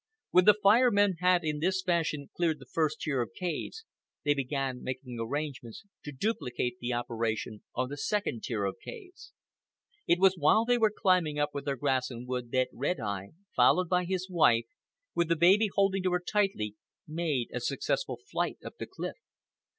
When the Fire Men had in this fashion cleared the first tier of caves, they began making arrangements to duplicate the operation on the second tier of caves. It was while they were climbing up with their grass and wood, that Red Eye, followed by his wife, with the baby holding to her tightly, made a successful flight up the cliff.